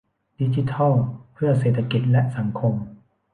ดิจิทัลเพื่อเศรษฐกิจและสังคม